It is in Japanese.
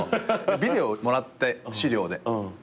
ビデオもらって資料で。